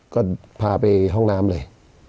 ก็พาไปห้องน้ำเลย